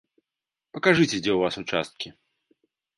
Пакажыце, дзе ў вас участкі.